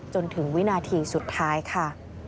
จนถึงวินาทีสุดท้ายค่ะ